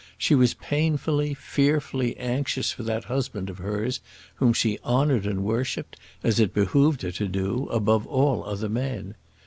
She was painfully, fearfully, anxious for that husband of hers, whom she honoured and worshipped, as it behoved her to do, above all other men.